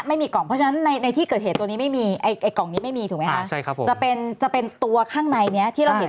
ไม่มีถูกไหมครับใช่ครับผมจะเป็นตัวข้างในนี้ที่เราเห็น